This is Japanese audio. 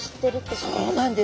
そうなんです。